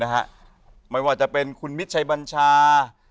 ไม่ว่าจะเป็นคุณมิตรชัยบัญชา